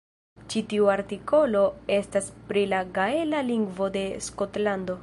Ĉi tiu artikolo estas pri la gaela lingvo de Skotlando.